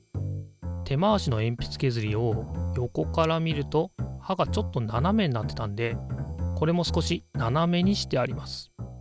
手回しのえんぴつけずりを横から見るとはがちょっとななめになってたんでこれも少しななめにしてあります。